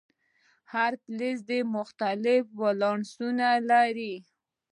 هر فلز دې مختلف ولانسونه ولري.